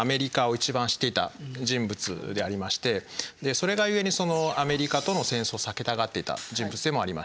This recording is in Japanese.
それが故にアメリカとの戦争を避けたがっていた人物でもありました。